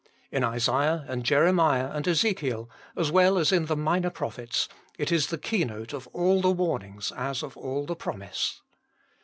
In Isaiah and Jeremiah and Ezekiel, as well as in the minor prophets, it is the keynote of all the warning as of all the promise.